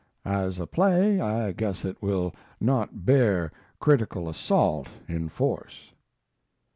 As a play I guess it will not bear critical assault in force.